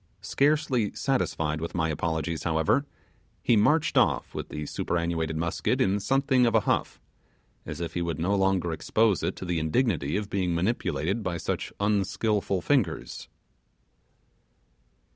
Scarcely satisfied with my apologies, however, he marched off with the superannuated musket in something of a huff, as if he would no longer expose it to the indignity of being manipulated by such unskilful fingers.